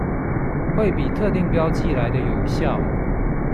會比特定標記來得更有效